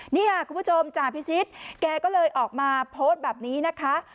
นี่ค่ะคุณผู้ชมจ่าพิชิตแกก็เลยออกมาโพสต์แบบนี้นะคะ